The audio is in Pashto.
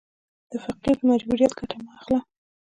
د فقیر د مجبوریت ګټه مه اخله.